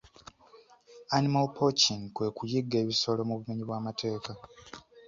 Animal poaching kwe kuyigga ebisolo mu bumenyi bw'amateeka.